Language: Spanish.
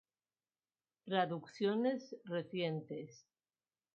Traducciones Recientes